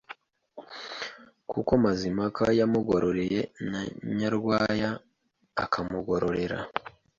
kuko Mazimpaka yamugororeye na Nyarwaya akamugororera.